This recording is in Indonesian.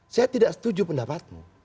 saya tidak setuju pendapatmu